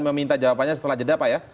meminta jawabannya setelah jeda pak ya